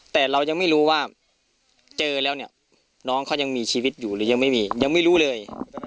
แต่เรายังไม่รู้ว่าเจอแล้วเนี่ยน้องเขายังมีชีวิตอยู่หรือยังไม่มียังไม่รู้เลย